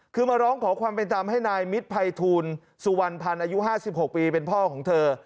คือมาร้องขอความเป็นธรรมให้นายมิตรภัยทูลสุวรรณพันธ์อายุ๕๖ปีเป็นพ่อของเธอ